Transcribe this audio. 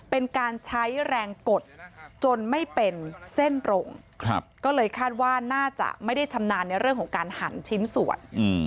เพราะว่าน่าจะไม่ได้ชำนาญในเรื่องของการหั่นชิ้นส่วน